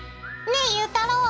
ねえゆうたろう。